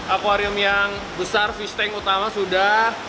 akwarium yang besar fish tank utama sudah